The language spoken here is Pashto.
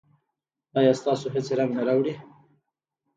ایا ستاسو هڅې رنګ نه راوړي؟